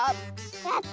やった！